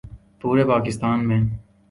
پورے پاکستان میں